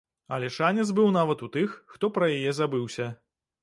Але шанец быў нават у тых, хто пра яе забыўся.